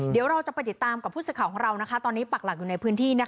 เดี๋ยวเราจะไปติดตามกับผู้สื่อข่าวของเราตอนนี้ปักหลักอยู่ในพื้นที่